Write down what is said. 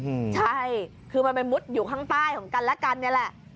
อืมใช่คือมันไปมุดอยู่ข้างใต้ของกันและกันนี่แหละ